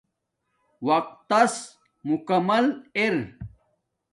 وقت تس مکمل ار